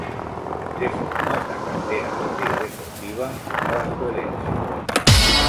Se formó en la cantera de Liga Deportiva Alajuelense.